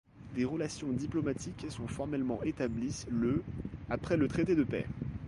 Des relations diplomatiques sont formellement établies le après le traité de paix.